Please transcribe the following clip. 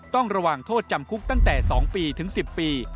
ต้องระวังโทษจำคุกตั้งแต่๒ปีถึง๑๐ปี